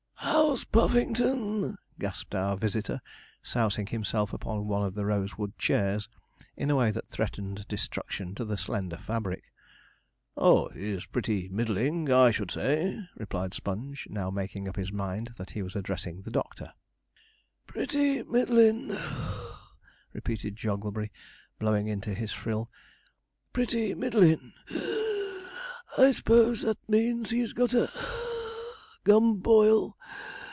'How's Puffington?' gasped our visitor, sousing himself upon one of the rosewood chairs in a way that threatened destruction to the slender fabric. 'Oh, he's pretty middling, I should say,' replied Sponge, now making up his mind that he was addressing the doctor. 'Pretty middlin' (puff),' repeated Jogglebury, blowing into his frill; 'pretty middlin' (wheeze); I s'pose that means he's got a (puff) gumboil.